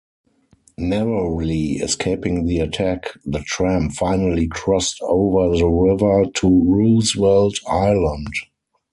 Narrowly escaping the attack, the tram finally crossed over the river to Roosevelt Island.